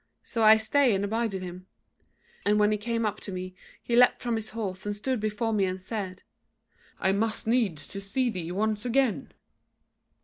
So I stayed and abided him; and when he came up to me, he leapt from his horse and stood before me and said: 'I must needs see thee once again.'